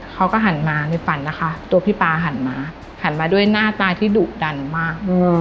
เขาก็หันมาในฝันนะคะตัวพี่ป๊าหันมาหันมาด้วยหน้าตาที่ดุดันมาก